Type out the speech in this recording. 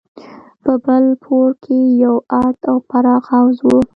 په بل پوړ کښې يو ارت او پراخ حوض و.